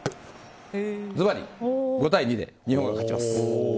ずばり５対２で日本が勝ちます。